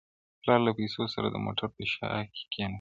o پلار له پوليسو سره د موټر په شا کي کينستئ,